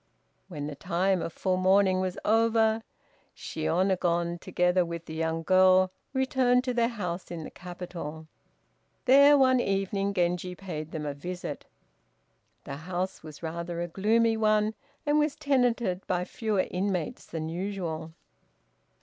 When the time of full mourning was over, Shiônagon, together with the young girl, returned to their house in the capital. There one evening Genji paid them a visit. The house was rather a gloomy one, and was tenanted by fewer inmates than usual.